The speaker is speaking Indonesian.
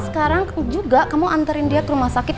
sekarang juga kamu antarin dia ke rumah sakit